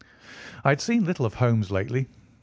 I had seen little of Holmes lately.